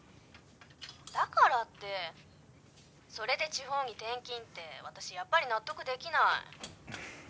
だからってそれで地方に転勤って私やっぱり納得できない。